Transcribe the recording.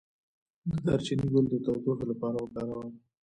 د دارچینی ګل د تودوخې لپاره وکاروئ